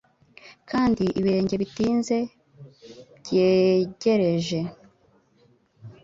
Kandi ibirenge bitinze byegereje;